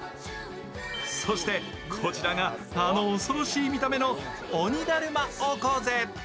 そして、こちらがあの恐ろしい見た目のオニダルマオコゼ。